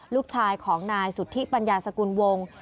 ลูกชายของนายสุธิปัญญาสกุลวง